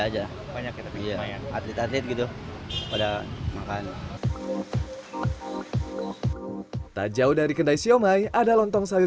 banyak banyak kita pilih atlet atlet gitu udah makan tak jauh dari kedai siomay ada lontong sayur